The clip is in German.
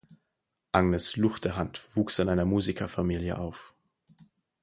Agnes Luchterhand wuchs in einer Musikerfamilie auf.